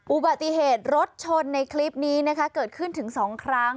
อุบัติเหตุรถชนในคลิปนี้นะคะเกิดขึ้นถึง๒ครั้ง